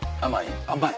甘い？